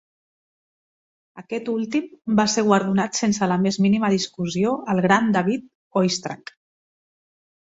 Aquest últim va ser guardonat sense la més mínima discussió al gran David Oistrakh.